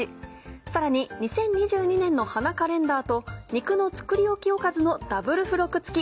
さらに２０２２年の花カレンダーと肉の作りおきおかずのダブル付録付き。